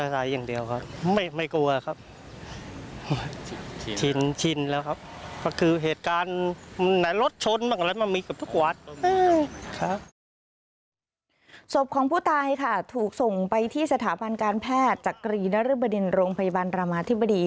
ศพของผู้ตายค่ะถูกส่งไปที่สถาบันการแพทย์จักรีนรึบดินโรงพยาบาลรามาธิบดี